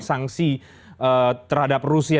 sanksi terhadap rusia